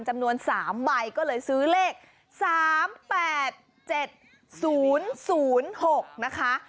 จำนวน๓ใบก็เลยซื้อเลข๓๘๗๐๐๖นะคะ